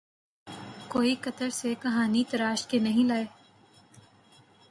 کوئی قطر سے کہانی تراش کے نہیں لائے۔